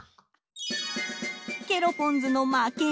ケロポンズの負け。